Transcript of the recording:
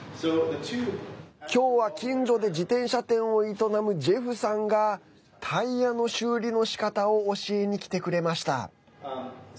今日は近所で自転車店を営むジェフさんがタイヤの修理のしかたを教えに来てくれました。